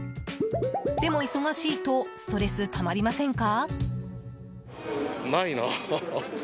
でも、忙しいとストレスたまりませんか？